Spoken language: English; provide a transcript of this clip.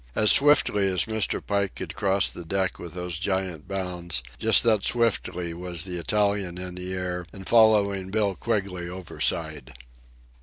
As swiftly as Mr. Pike could cross the deck with those giant bounds, just that swiftly was the Italian in the air and following Bill Quigley overside.